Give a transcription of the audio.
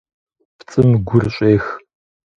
ПцIым гур щIех.